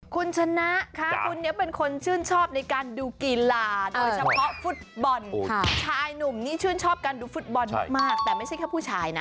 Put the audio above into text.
คุณชนะคะคุณเนี่ยเป็นคนชื่นชอบในการดูกีฬาโดยเฉพาะฟุตบอลชายหนุ่มนี่ชื่นชอบการดูฟุตบอลมากแต่ไม่ใช่แค่ผู้ชายนะ